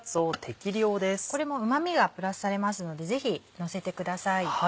これもうま味がプラスされますのでぜひのせてください。